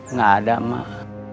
nggak ada mak